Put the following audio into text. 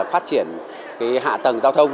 phát triển hạ tầng giao thông